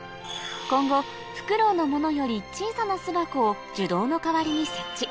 今後フクロウのものより小さな巣箱を樹洞の代わりに設置